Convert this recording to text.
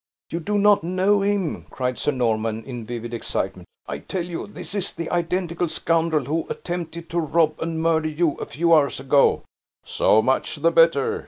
"You do not know him!" cried Sir Norman; in vivid excitement. "I tell you this is the identical scoundrel who attempted to rob and murder you a few hours ago." "So much the better!